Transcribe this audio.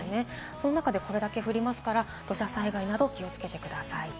その中でこれだけ降りますから、土砂災害など気をつけてください。